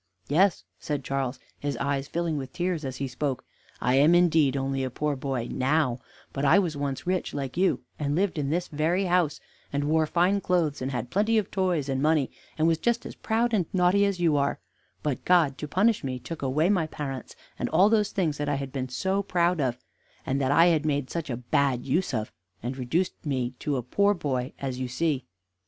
"Yes," said Charles, his eyes filling with tears as he spoke, "I am, indeed, only a poor boy now, but I was once rich like you, and lived in this very house, and wore fine clothes, and had plenty of toys and money, and was just as proud and naughty as you are, but God, to punish me, took away my parents and all those things that I had been so proud of, and that I had made such a bad use of, and reduced me to a poor boy, as you see."